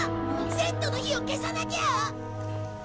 セットの火を消さなきゃ！